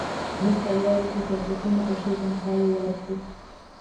موږ تیار یو چې سیاسیونو ته ښې تنخواوې ورکړو.